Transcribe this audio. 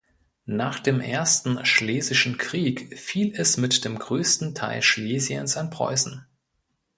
Nach dem Ersten Schlesischen Krieg fiel es mit dem größten Teil Schlesiens an Preußen.